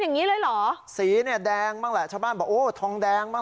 อย่างนี้เลยเหรอสีเนี่ยแดงบ้างแหละชาวบ้านบอกโอ้ทองแดงบ้าง